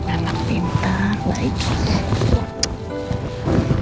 anak pintar baik